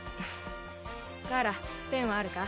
カーラペンはあるか？